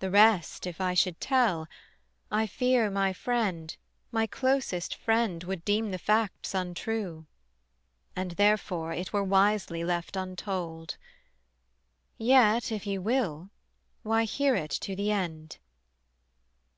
The rest if I should tell, I fear my friend, My closest friend, would deem the facts untrue; And therefore it were wisely left untold; Yet if you will, why, hear it to the end.